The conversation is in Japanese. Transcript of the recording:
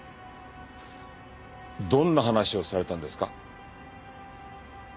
どんな話をされたんですか？